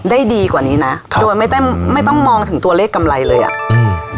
ดีกว่านี้นะครับโดยไม่ต้องไม่ต้องมองถึงตัวเลขกำไรเลยอ่ะอืม